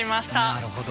なるほど。